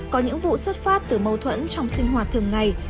có những vụ xuất phát từ mâu thuẫn trong sinh hoạt thường ngày